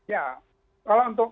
ya kalau untuk